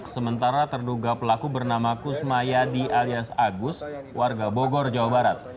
sementara terduga pelaku bernama kusmayadi alias agus warga bogor jawa barat